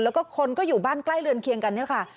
แล้วก็คนก็อยู่บ้านใกล้เรือนเคียงกันเนี่ยค่ะ